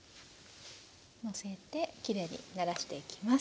のせてきれいにならしていきます。